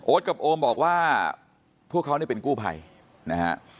โอ๊ตกับโอมบอกว่าพวกเขาเป็นกู้ภัยนะครับ